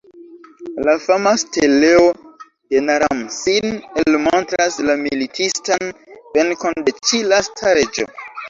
La fama steleo de Naram-Sin elmontras la militistan venkon de ĉi lasta reĝo.